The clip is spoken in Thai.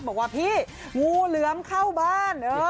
บอกว่าพี่งูเหลือมเข้าบ้าน